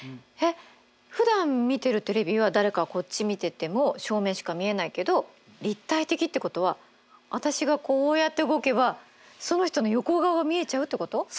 えっふだん見てるテレビは誰かがこっち見てても正面しか見えないけど立体的ってことは私がこうやって動けばその人の横顔が見えちゃうってこと？